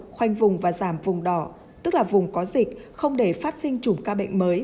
khoanh vùng và giảm vùng đỏ tức là vùng có dịch không để phát sinh chủng ca bệnh mới